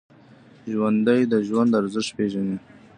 ژوندي د ژوند ارزښت پېژني